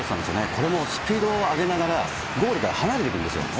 これもスピードを上げながら、ゴールから離れていくんですよね。